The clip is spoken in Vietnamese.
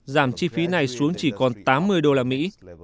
giảm chi phí này xuống chỉ còn tám mươi đô la mỹ